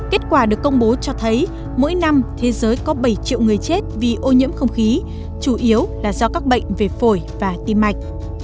kết quả được công bố cho thấy mỗi năm thế giới có bảy triệu người chết vì ô nhiễm không khí chủ yếu là do các bệnh về phổi và tim mạch